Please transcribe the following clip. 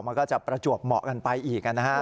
มันก็จะประจวบเหมาะกันไปอีกนะฮะ